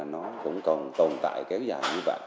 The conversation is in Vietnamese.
nó cũng còn tồn tại kéo dài như vậy